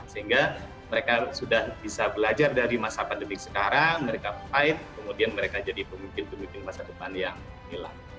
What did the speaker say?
sehingga mereka sudah bisa belajar dari masa pandemi sekarang mereka fight kemudian mereka jadi pemimpin pemimpin masa depan yang hilang